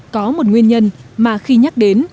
có một nguyên nhân mà khi nhắc đến